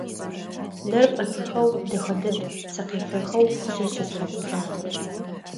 Нэр пӏэпихэу дэхэ дэд псыкъефэхэу «Пшъэшъэ шъхьац благъэр».